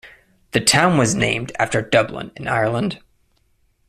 The town was named after Dublin in Ireland.